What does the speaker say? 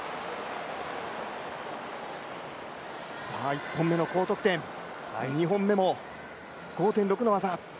１本目の高得点２本目も５．６の技。